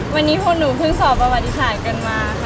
วันนี้คนหนูเพิ่งสอบประวัติศาสตร์กันมาค่ะ